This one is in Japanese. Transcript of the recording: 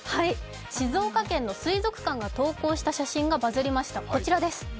静岡県の水族館が投稿した写真がバズりました。